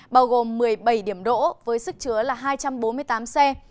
bao gồm một mươi bảy điểm đỗ với sức chứa là hai trăm bốn mươi tám xe